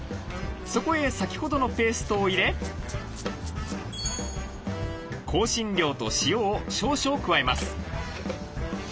そこへ先ほどのペーストを入れ香辛料と塩を少々加えます。